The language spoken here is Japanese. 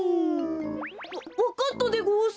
わかったでごわす。